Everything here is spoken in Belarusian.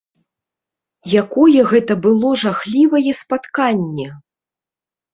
Якое гэта было жахлівае спатканне!